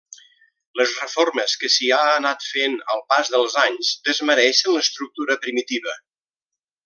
Les reformes que s'hi ha anat fent al pas dels anys desmereixen l'estructura primitiva.